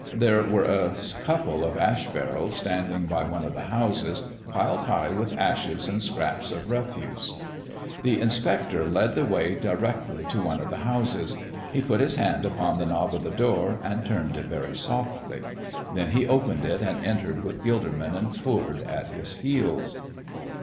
There were a couple of ash barrels standing by one of the houses, piled high with ashes and scraps of refuse. The inspector led the way directly to one of the houses. He put his hand upon the knob of the door and turned it very softly. Then he opened it and entered with Gilderman and Foord at his heels.